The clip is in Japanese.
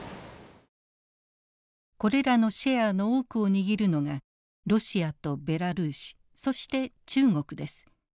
これらのシェアの多くを握るのがロシアとベラルーシそして中国です。